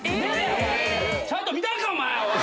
ちゃんと見たんかお前おい！